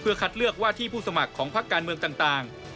คัดเลือกว่าที่ผู้สมัครของพักการเมืองต่าง